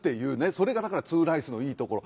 それがだからツーライスのいいところ。